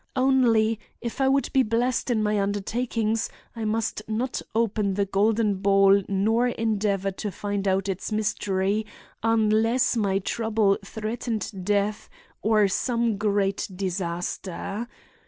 Only, if I would be blessed in my undertakings, I must not open the golden ball nor endeavor to find out its mystery unless my trouble threatened death or some great disaster.